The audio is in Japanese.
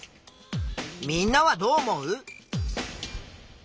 みんなはどう思う？